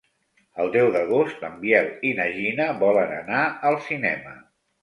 El deu d'agost en Biel i na Gina volen anar al cinema.